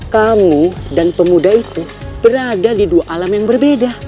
kamu dan pemuda itu berada di dua alam yang berbeda